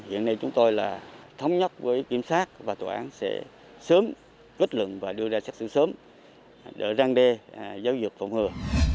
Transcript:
hiện nay chúng tôi là thống nhất với kiểm sát và tòa án sẽ sớm kết luận và đưa ra xét xử sớm để răng đe giáo dục phòng ngừa